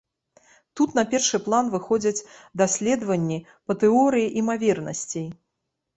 Тут на першы план выходзяць даследаванні па тэорыі імавернасцей.